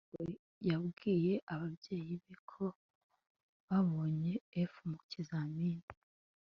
kamali ntabwo yabwiye ababyeyi be ko yabonye f mu kizamini